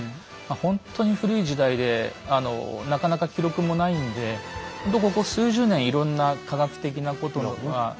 ほんとに古い時代でなかなか記録もないんでほんとここ数十年いろんな科学的なことが分かってきて。